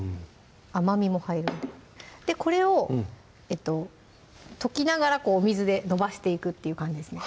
甘みも入るんででこれを溶きながらお水で延ばしていくっていう感じですね